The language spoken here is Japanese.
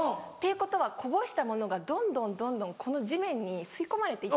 いうことはこぼしたものがどんどんどんどんこの地面に吸い込まれて。